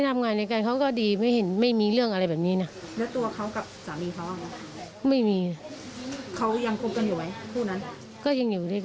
ไม่มีเลย